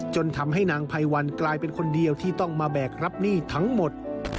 จนทำให้นางไพวันกลายเป็นคนเดียวที่ต้องมาแบกรับหนี้ทั้งหมด